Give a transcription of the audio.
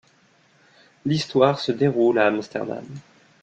L’histoire se déroule à Amsterdam.